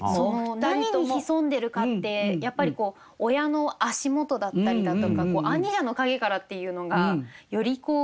何にひそんでるかってやっぱり親の足元だったりだとか兄者の陰からっていうのがより鮮明に。